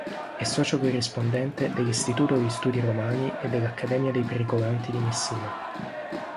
È socio corrispondente dell’Istituto di Studi Romani e dell’Accademia dei Pericolanti di Messina.